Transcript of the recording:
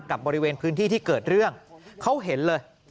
บริเวณพื้นที่ที่เกิดเรื่องเขาเห็นเลย